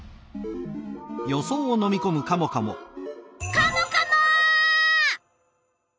カモカモ！